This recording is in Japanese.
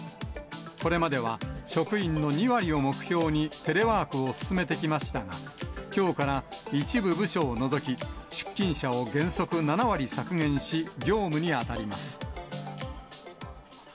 これまでは職員の２割を目標にテレワークを進めてきましたが、きょうから一部部署を除き、出勤者を原則７割削減し、業務に当たります。